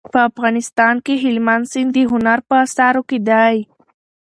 په افغانستان کې هلمند سیند د هنر په اثارو کې دی.